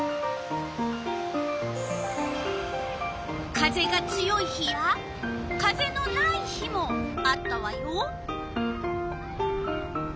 風が強い日や風のない日もあったわよ。